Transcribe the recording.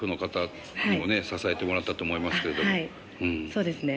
そうですね。